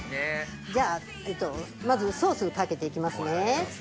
じゃあまずソースをかけて行きますね。